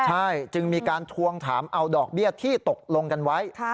ใช่จึงมีการทวงถามเอาดอกเบี้ยที่ตกลงกันไว้